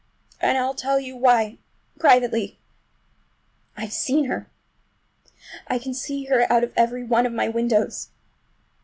And I'll tell you why—privately—I've seen her! I can see her out of every one of my windows!